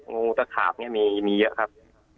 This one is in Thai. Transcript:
งูสะขาบมีเยอะครับ